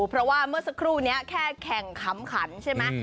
เพราะว่าเมื่อสักครู่นี้แค่แข่งขำขันใช่ไหม